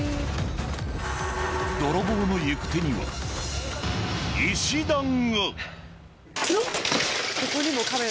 泥棒の行く手には石段が。